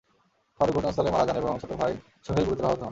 ফারুক ঘটনাস্থলেই মারা যান এবং ছোট ভাই সোহেল গুরুতর আহত হন।